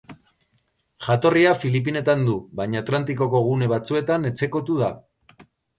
Jatorria Filipinetan du, baina Atlantikoko gune batzuetan etxekotu da.